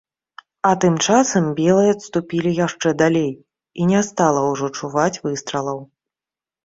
А тым часам белыя адступілі яшчэ далей, і не стала ўжо чуваць выстралаў.